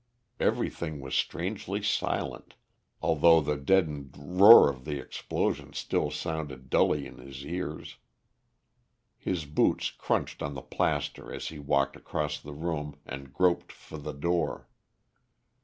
Everything was strangely silent, although the deadened roar of the explosion still sounded dully in his ears. His boots crunched on the plaster as he walked across the room and groped for the door.